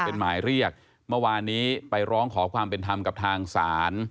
เป็นหมายเรียกเมื่อวานนี้ไปร้องขอความเป็นธรรมกับทางศาล